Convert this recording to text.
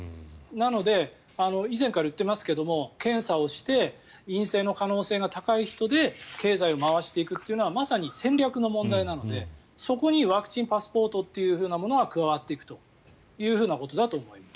なので、以前から言っていますが検査をして陰性の可能性が高い人で経済を回していくのはまさに戦略の問題なのでそこにワクチンパスポートというものが加わっていくということだと思います。